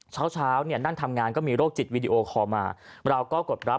เช้าเช้าเนี่ยนั่งทำงานก็มีโรคจิตวีดีโอคอลมาเราก็กดรับ